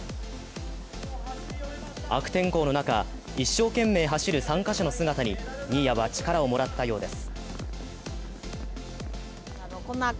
悪天候の中、一生懸命走る参加者の姿に新谷は力をもらったようです。